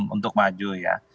untuk maju ya